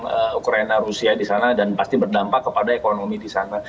ekonomi di sana juga itu ya hasilnya pasti berdampak kepada ekonomi di sana